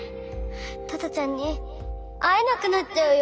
トトちゃんに会えなくなっちゃうよ！